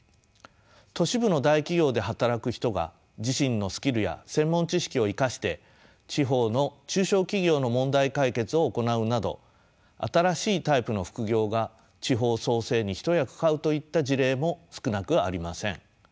都市部の大企業で働く人が自身のスキルや専門知識を生かして地方の中小企業の問題解決を行うなど新しいタイプの副業が地方創生に一役買うといった事例も少なくありません。